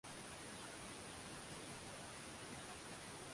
ambao hunaopatikana katika mkoa wa Arusha